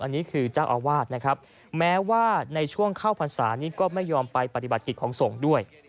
อันนี้คือเจ้าอาวาสนะครับแม้ว่าในช่วงเข้าพรรษานี้ก็ไม่ยอมไปปฏิบัติกิจของสงฆ์ด้วย